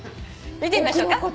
見てみましょうか。